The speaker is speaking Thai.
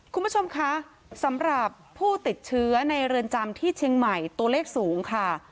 คุณผู้ชมคะสำหรับผู้ติดเชื้อในเรือนจำที่เชียงใหม่ตัวเลขสูงค่ะ